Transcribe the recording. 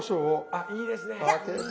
あいいですね。